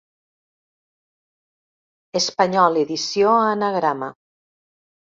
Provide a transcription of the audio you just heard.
Espanyol Edició a Anagrama.